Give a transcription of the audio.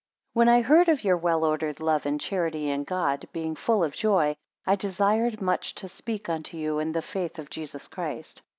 2 When I heard of your well ordered love and charity in God, being full of joy, I desired much to speak unto you in the faith of Jesus Christ.